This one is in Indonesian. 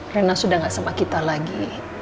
rina sudah enggak sama kita lagi